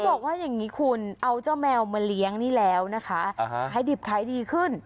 บอกว่าอย่างนี้คุณเอาเจ้าแมวมาเลี้ยงนี่แล้วนะคะขายดิบขายดีขึ้น